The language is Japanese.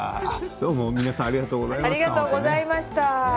どうも皆さんありがとうございました。